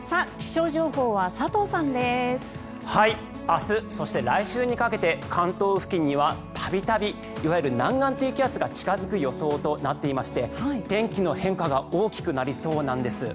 明日、そして来週にかけて関東付近には度々、いわゆる南岸低気圧が近付く予想となっていまして天気の変化が大きくなりそうなんです。